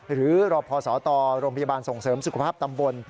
หรือรอพอสตโรงพยาบาลส่งเสริมสุขภาพตำบล